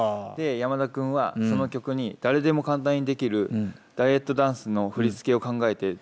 山田君はその曲に誰でも簡単にできるダイエットダンスの振り付けを考えて動画を投稿してん。